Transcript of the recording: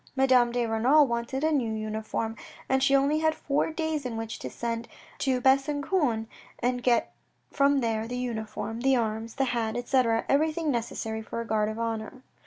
Madame de Renal wanted a new uniform, and she only had four days in which to send to Besancon and get from there the uniform, the arms, the hat, etc., everything necessary for a Guard of Honour.